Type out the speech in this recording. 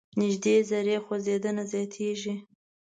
نژدې ذرې خوځیدنه زیاتیږي.